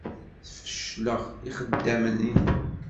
Sfecleɣ ixeddamen-inu.